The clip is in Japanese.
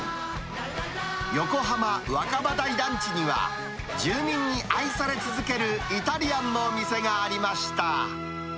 横浜若葉台団地には、住民に愛され続けるイタリアンのお店がありました。